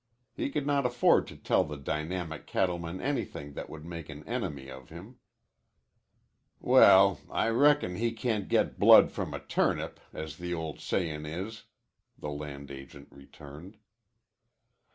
He could not afford to tell the dynamic cattleman anything that would make an enemy of him. "Well, I reckon he can't get blood from a turnip, as the old sayin' is," the land agent returned.